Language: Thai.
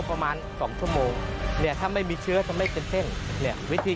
ไสมัยนี่มันจะช้าไม่ได้เลยเพราะช้าเสียทั้งที